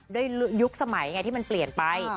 ยุคสมัยไงที่มันเปลี่ยนไป